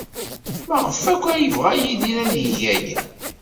Maɣef akk ay yebɣa Yidir ad yeg aya?